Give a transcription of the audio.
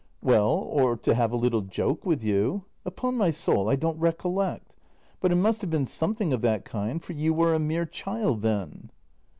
Well, or to have a little joke with you. Upon my soul, I don't recollect. But it must have been something of that kind; for you were a mere child then.